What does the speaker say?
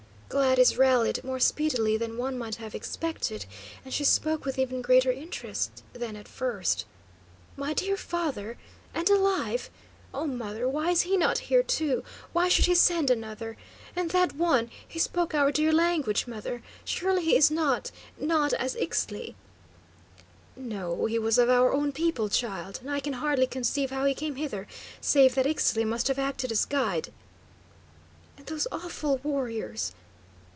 Gladys rallied more speedily than one might have expected, and she spoke with even greater interest than at first. "My dear father, and alive? Oh, mother, why is he not here to why should he send another? And that one he spoke our dear language, mother; surely he is not not as Ixtli?" "No; he was of our own people, child, and I can hardly conceive how he came hither, save that Ixtli must have acted as guide." "And those awful warriors!"